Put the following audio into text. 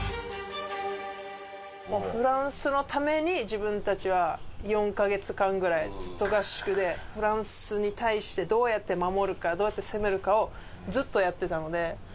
フランスのために自分たちは４カ月間ぐらいずっと合宿でフランスに対してどうやって守るかどうやって攻めるかをずっとやってたので。